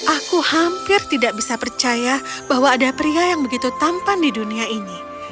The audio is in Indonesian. aku hampir tidak bisa percaya bahwa ada pria yang begitu tampan di dunia ini